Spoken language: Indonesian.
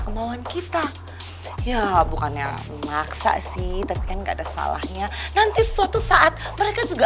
kemauan kita ya bukannya memaksa sih tapi kan enggak ada salahnya nanti suatu saat mereka juga